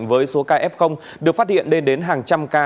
với số kf được phát hiện đến đến hàng trăm ca